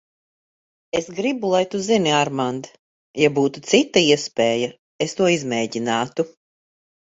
Es gribu, lai tu zini, Armand, ja būtu cita iespēja, es to izmēģinātu.